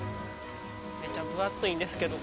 めっちゃ分厚いんですけど。